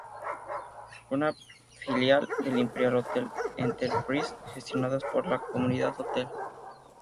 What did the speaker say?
Una filial de Imperial Hotel enterprise gestionadas por la comunidad hotel.